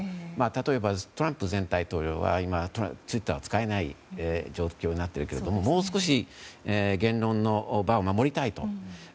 例えば、トランプ前大統領は今、ツイッターは使えない状況になっているけれどももう少し言論の場を守りたいと。